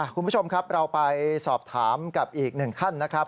คุณผู้ชมครับเราไปสอบถามกับอีกหนึ่งท่านนะครับ